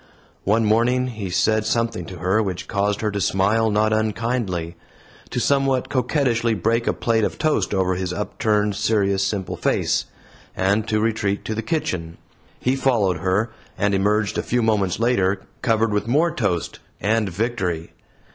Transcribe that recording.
One morning he said something to her which caused her to smile not unkindly, to somewhat coquettishly break a plate of toast over his upturned, serious, simple face, and to retreat to the kitchen. He followed her, and emerged a few moments later, covered with more toast and victory.